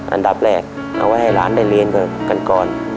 อันดับแรกเอาไว้ให้หลานได้เรียนกันก่อน